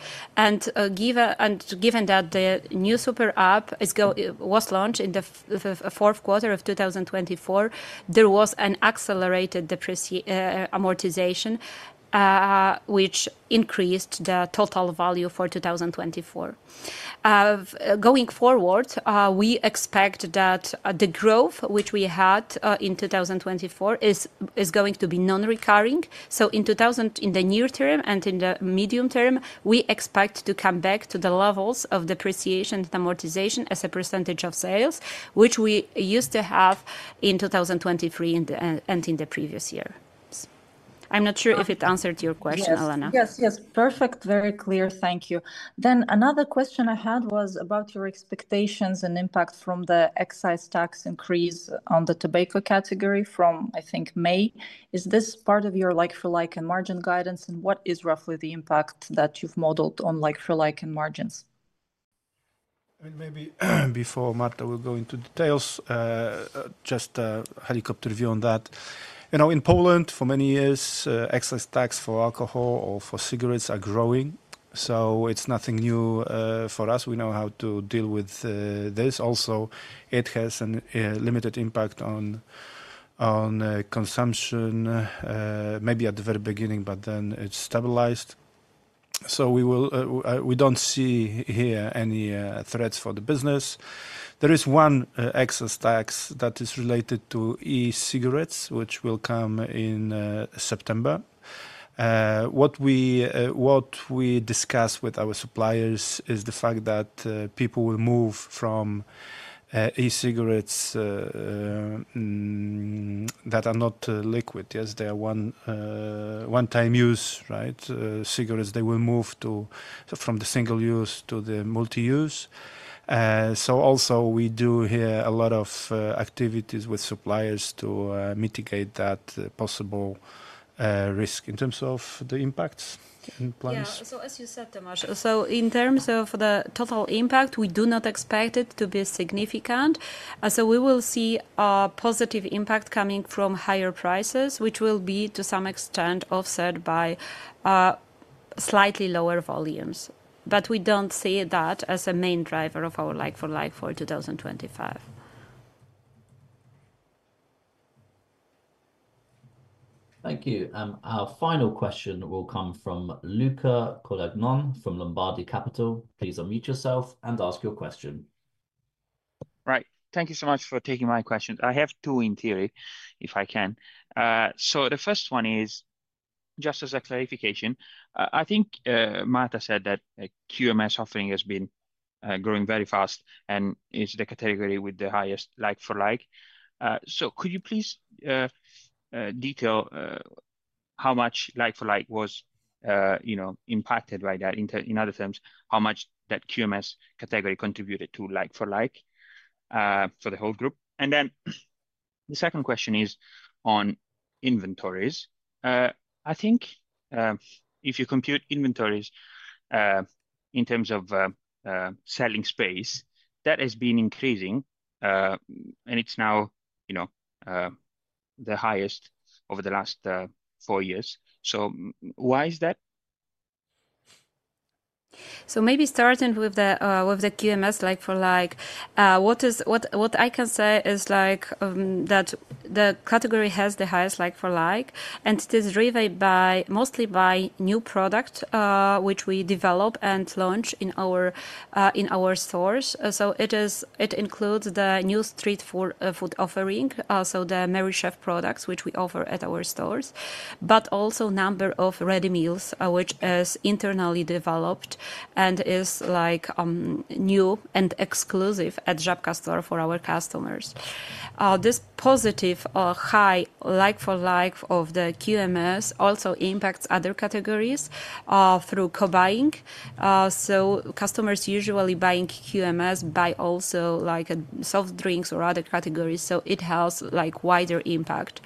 [SPEAKER 3] Given that the new SuperUp was launched in the fourth quarter of 2024, there was an accelerated amortization, which increased the total value for 2024. Going forward, we expect that the growth which we had in 2024 is going to be non-recurring. In the near term and in the medium term, we expect to come back to the levels of depreciation and amortization as a percentage of sales, which we used to have in 2023 and in the previous year. I'm not sure if it answered your question, Elena.
[SPEAKER 9] Yes. Yes. Perfect. Very clear. Thank you. Another question I had was about your expectations and impact from the excise tax increase on the tobacco category from, I think, May. Is this part of your like-for-like and margin guidance? What is roughly the impact that you've modeled on like-for-like and margins?
[SPEAKER 2] Maybe before Marta will go into details, just a helicopter view on that. In Poland, for many years, excise tax for alcohol or for cigarettes are growing. It is nothing new for us. We know how to deal with this. Also, it has a limited impact on consumption, maybe at the very beginning, but then it is stabilized. We do not see here any threats for the business. There is one excise tax that is related to e-cigarettes, which will come in September. What we discuss with our suppliers is the fact that people will move from e-cigarettes that are not liquid. Yes, they are one-time use, right? Cigarettes, they will move from the single use to the multi-use. We do here a lot of activities with suppliers to mitigate that possible risk in terms of the impacts and plans.
[SPEAKER 3] Yeah. As you said, Tomasz, in terms of the total impact, we do not expect it to be significant. We will see a positive impact coming from higher prices, which will be to some extent offset by slightly lower volumes. We do not see that as a main driver of our like-for-like for 2025.
[SPEAKER 1] Thank you. Our final question will come from Luca Codagnone from Lombardi Capital. Please unmute yourself and ask your question.
[SPEAKER 10] Thank you so much for taking my question. I have two in theory, if I can. The first one is just as a clarification. I think Marta said that QMS offering has been growing very fast and is the category with the highest like-for-like. Could you please detail how much like-for-like was impacted by that? In other terms, how much that QMS category contributed to like-for-like for the whole group? The second question is on inventories. I think if you compute inventories in terms of selling space, that has been increasing, and it's now the highest over the last four years. Why is that?
[SPEAKER 3] Maybe starting with the QMS like-for-like, what I can say is that the category has the highest like-for-like, and it is driven mostly by new products which we develop and launch in our stores. It includes the new street food offering, the Merrychef products which we offer at our stores, but also a number of ready meals which are internally developed and are new and exclusive at Żabka store for our customers. This positive high like-for-like of the QMS also impacts other categories through co-buying. Customers usually buying QMS buy also soft drinks or other categories. It has wider impact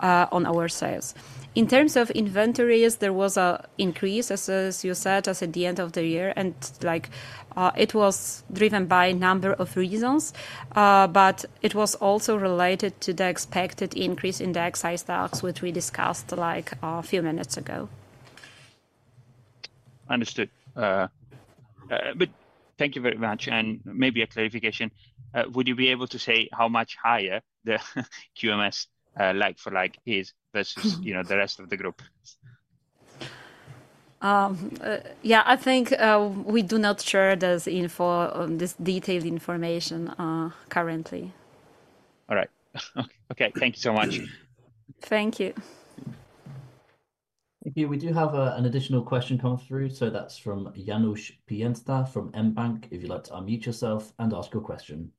[SPEAKER 3] on our sales. In terms of inventories, there was an increase, as you said, at the end of the year. It was driven by a number of reasons, but it was also related to the expected increase in the excise tax which we discussed a few minutes ago.
[SPEAKER 10] Understood. Thank you very much. Maybe a clarification. Would you be able to say how much higher the QMS like-for-like is versus the rest of the group?
[SPEAKER 3] Yeah. I think we do not share this detailed information currently.
[SPEAKER 10] All right. Okay. Thank you so much.
[SPEAKER 3] Thank you.
[SPEAKER 1] Thank you. We do have an additional question come through. That is from Janusz Pięta from mBank. If you'd like to unmute yourself and ask your question.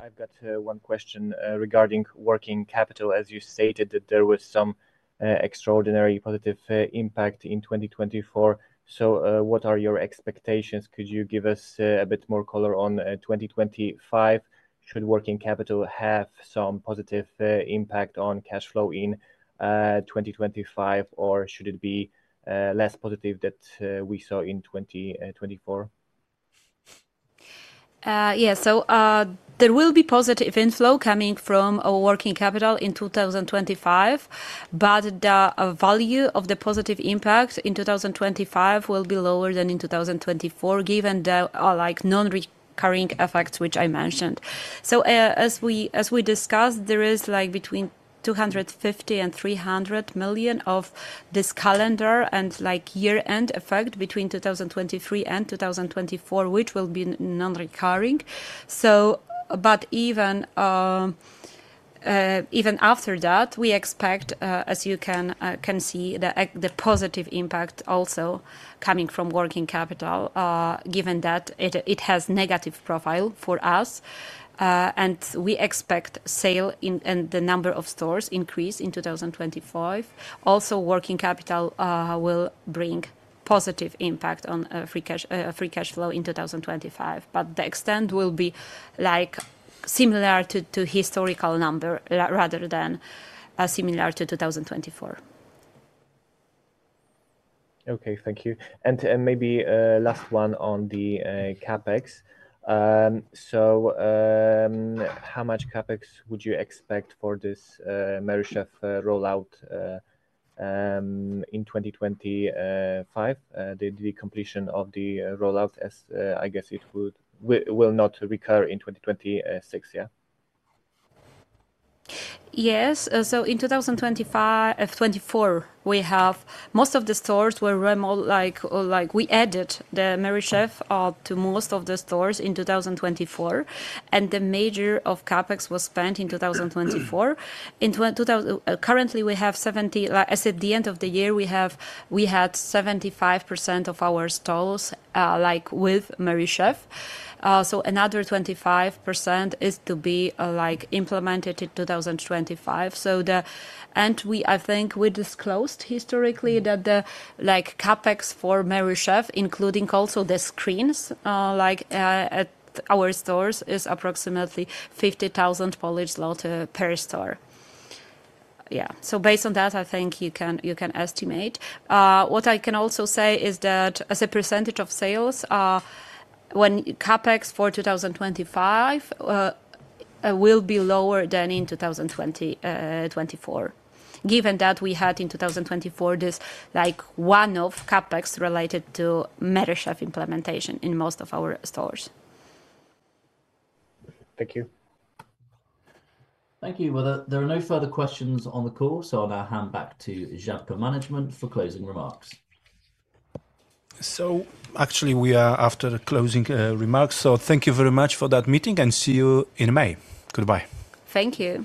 [SPEAKER 11] I've got one question regarding working capital. As you stated, there was some extraordinary positive impact in 2024. What are your expectations?
[SPEAKER 2] Could you give us a bit more color on 2025? Should working capital have some positive impact on cash flow in 2025, or should it be less positive than we saw in 2024?
[SPEAKER 3] Yeah. There will be positive inflow coming from working capital in 2025, but the value of the positive impact in 2025 will be lower than in 2024, given the non-recurring effects which I mentioned. As we discussed, there is between 250 million and 300 million of this calendar and year-end effect between 2023 and 2024, which will be non-recurring. Even after that, we expect, as you can see, the positive impact also coming from working capital, given that it has a negative profile for us. We expect sale and the number of stores to increase in 2025. Also, working capital will bring a positive impact on free cash flow in 2025. The extent will be similar to historical numbers rather than similar to 2024.
[SPEAKER 11] Okay. Thank you. Maybe last one on the CapEx. How much CapEx would you expect for this Merrychef rollout in 2025? The completion of the rollout, I guess it will not recur in 2026, yeah?
[SPEAKER 3] Yes. In 2024, we have most of the stores were remote. We added the Merrychef to most of the stores in 2024. The major part of CapEx was spent in 2024. Currently, we have 70. As at the end of the year, we had 75% of our stores with Merrychef. Another 25% is to be implemented in 2025. I think we disclosed historically that the CapEx for Merrychef, including also the screens at our stores, is approximately 50,000 per store. Yeah. Based on that, I think you can estimate. What I can also say is that as a percentage of sales, CapEx for 2025 will be lower than in 2024, given that we had in 2024 this one-off CapEx related to Merrychef implementation in most of our stores.
[SPEAKER 11] Thank you.
[SPEAKER 1] Thank you. There are no further questions on the call, so I'll now hand back to Żabka Management for closing remarks.
[SPEAKER 2] Actually, we are after closing remarks. Thank you very much for that meeting, and see you in May. Goodbye.
[SPEAKER 3] Thank you.